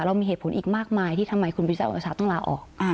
เรามีเหตุผลอีกมากมายที่ทำไมคุณประยุจันทร์โอชาต้องลาออก